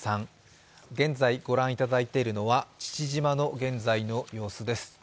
現在、御覧いただいているのは父島の現在の様子です。